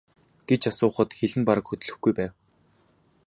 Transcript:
гэж асуухад хэл нь бараг хөдлөхгүй байв.